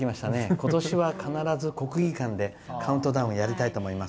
今年は必ず国技館でカウントダウンやりたいと思います。